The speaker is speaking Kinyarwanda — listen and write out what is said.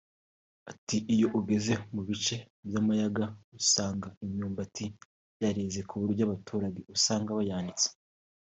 Ati"Iyo ugeze mu bice by’amayaga usanga imyumbati yareze ku buryo abaturage usanga bayanitse